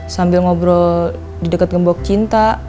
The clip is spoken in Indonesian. sambil ngobrol di dekat gembok cinta